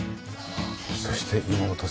そして妹さんは？